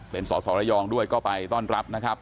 เป็นสอสอระยองด้วยก็ไปต้อนรับนะครับ